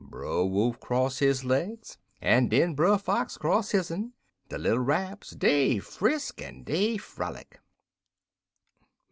Brer Wolf cross his legs, en den Brer Fox cross his'n. De little Rabs, dey frisk en dey frolic.